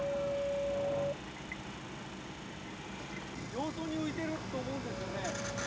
表層に浮いてると思うんですけどね。